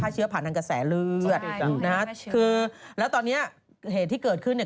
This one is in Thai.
เชื้อผ่านทางกระแสเลือดนะฮะคือแล้วตอนเนี้ยเหตุที่เกิดขึ้นเนี่ย